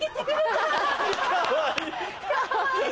かわいい！